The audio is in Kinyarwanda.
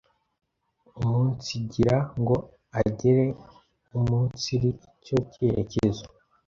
umunsigira ngo agere umunsiri icyo cyerekezo